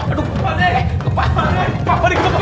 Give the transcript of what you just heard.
aduh kepal pak ustaz